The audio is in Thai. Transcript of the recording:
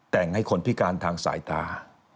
แต่งให้คนพิการทางสายตา